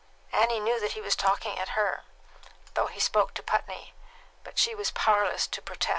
Annie knew that he was talking at her, though he spoke to Putney; but she was powerless to protest.